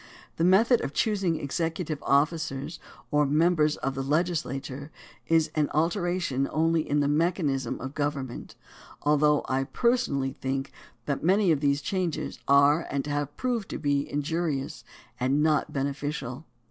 The method of choosing executive officers or members of the legislature is an alteration only in the mechanism of government; although I personally think that many of these changes are and have proved to be injurious and not beneficial.